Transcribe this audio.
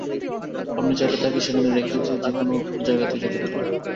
আপনি চাইলে তাকে সেখানে রেখে যে কোনও জায়গাতেই যেতে পারেন।